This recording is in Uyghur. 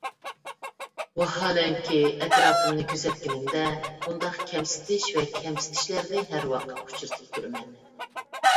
ۋاھالەنكى، ئەتراپىمنى كۆزەتكىنىمدە بۇنداق كەمسىتىش ۋە كەمسىنىشلەرنى ھەر ۋاقىت ئۇچرىتىپ تۇرىمەن.